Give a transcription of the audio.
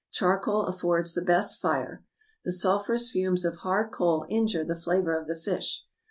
Charcoal affords the best fire. The sulphurous fumes of hard coal injure the flavor of the fish.